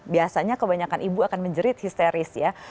biasanya kebanyakan ibu akan menjerit histeris ya